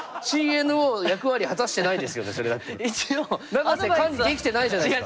永瀬管理できてないじゃないですか。